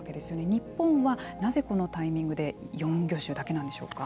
日本はなぜこのタイミングで４魚種だけなんでしょうか。